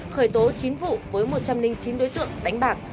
khởi tố chín vụ với một trăm linh chín đối tượng đánh bạc